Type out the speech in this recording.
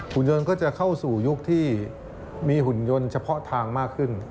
คุณยนต์ก็จะเข้าสู่ยุคที่มีหุ่นยนต์เฉพาะทางมากขึ้น